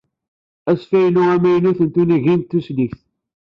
Asfaylu amaynut n tunigin tusligt.